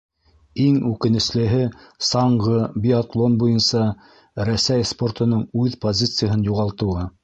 Иң үкенеслеһе -саңғы, биатлон буйынса Рәсәй спортының үҙ позицияһын юғалтыуы.